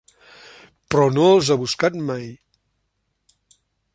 Però no els ha buscat mai.